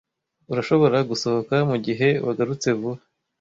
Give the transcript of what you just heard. Urashobora gusohoka mugihe wagarutse vuba.